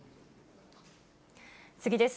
次です。